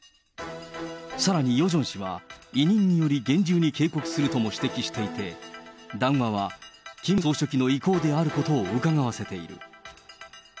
さらにヨジョン氏は、委任により厳重に警告するとも指摘していて、談話は、キム総書記の意向であることをうかがわせている。